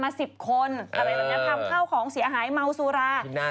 ทำเข้าของเสียหายเมาสุรา